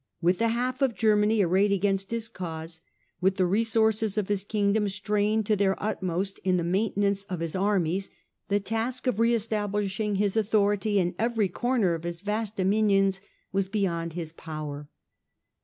With the half of Germany arrayed against his cause, with the resources of his Kingdom strained to their utmost in the maintenance of his armies, the task of re establishing his authority in every corner of his vast dominions was beyond his power.